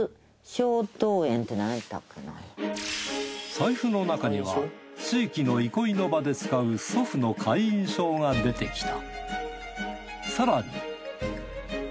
財布の中には地域の憩いの場で使う祖父の会員証が出てきた。